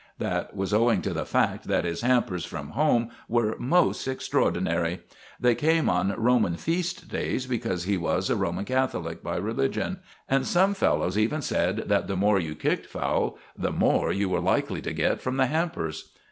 That was owing to the fact that his hampers from home were most extraordinary. They came on Roman feast days, because he was a Roman Catholic by religion; and some fellows even said the more you kicked Fowle the more you were likely to get from the hampers.